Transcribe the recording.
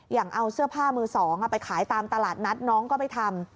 อย่างเอาเสื้อผ้ามือสองไปขายตามตลาดนัดน้องก็ไปทำ